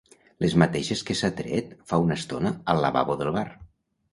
Les mateixes que s'ha tret fa una estona al lavabo del bar.